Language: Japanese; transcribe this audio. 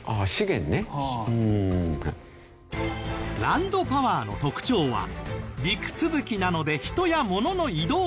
ランドパワーの特徴は陸続きなので人やものの移動がしやすい。